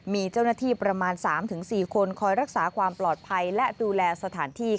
มีเจ้าหน้าที่ประมาณ๓๔คนคอยรักษาความปลอดภัยและดูแลสถานที่